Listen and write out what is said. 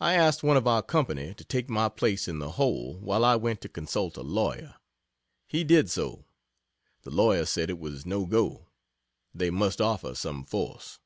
I asked one of our company to take my place in the hole, while I went to consult a lawyer. He did so. The lawyer said it was no go. They must offer some "force."